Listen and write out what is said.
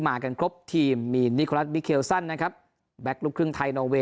มากันครบทีมมีลิคอลัสมีเขย้วซัมนะครับแบตลูกคลื้งไทย